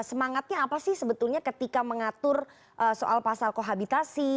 semangatnya apa sih sebetulnya ketika mengatur soal pasal kohabitasi